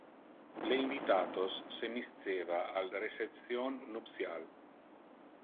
Le invitatos se misceva al reception nuptial.